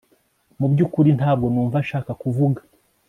Mu byukuri ntabwo numva nshaka kuvuga